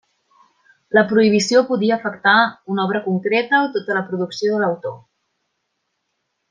La prohibició podia afectar una obra concreta o tota la producció de l'autor.